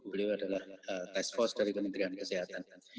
yang kedua adalah test force dari kementerian kesehatan